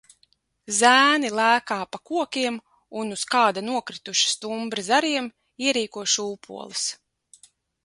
Zēni lēkā pa kokiem un uz kāda nokrituša stumbra zariem ierīko šūpoles.